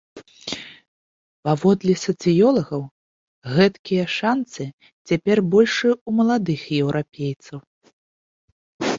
Паводле сацыёлагаў, гэткія шанцы цяпер большыя ў маладых еўрапейцаў.